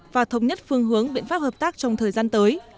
và thống nhất phương hướng biện pháp hợp tác trong thời gian tới